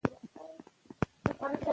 که ښوونځی وي نو ماشومان بې سواده نه پاتیږي.